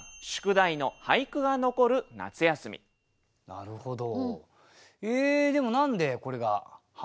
なるほど。